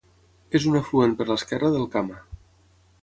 És un afluent per l'esquerra del Kama.